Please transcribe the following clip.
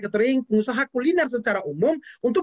ketering pengusaha kuliner secara umum untuk